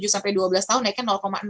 tujuh sampai dua belas tahun naiknya dua